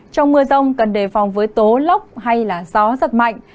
trong mưa rông cần đề phòng với tố lốc hay là gió rất mạnh